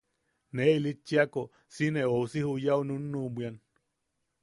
Ne ilitchiako si ne a ousi juyau nunuʼubwian.